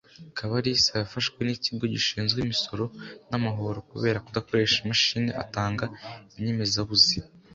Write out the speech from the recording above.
Kabalisa yafashwe n’ikigo gishinzwe imisoro n’amahoro kubera kudakoresha imashini atanga inyemezabuzi